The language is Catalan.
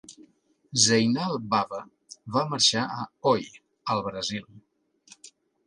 Zeinal Bava va marxar a Oi, al Brasil.